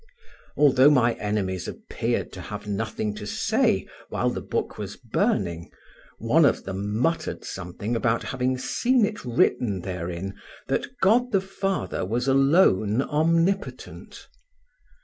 Although my enemies appeared to have nothing to say while the book was burning, one of them muttered something about having seen it written therein that God the Father was alone omnipotent.